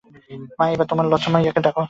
– মা, এইবার তোমার লছমিয়াকে ডাকো।